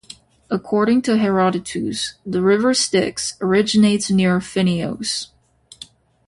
According to Herodotus, the river Styx originates near Feneos.